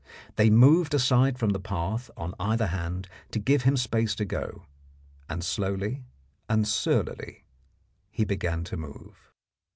They moved aside from the path on either hand to give him space to go, and slowly and surlily he began to move.